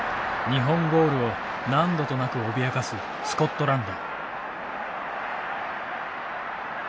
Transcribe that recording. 日本ゴールを何度となく脅かすスコットランド。